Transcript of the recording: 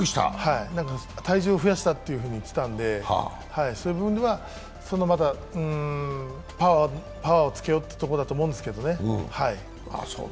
体重を増やしたって言ってたんで、その分ではパワーをつけようってとこだと思うんですけどね。